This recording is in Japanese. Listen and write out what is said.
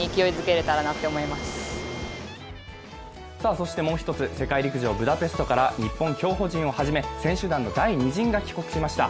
そしてもう一つ、世界陸上ブダペストから日本競歩陣をはじめ選手団の第２陣が帰国しました。